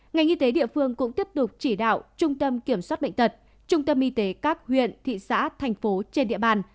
ngành y tế địa phương cũng tiếp tục chỉ đạo trung tâm kiểm soát bệnh tật trung tâm y tế các huyện thị xã thành phố trên địa bàn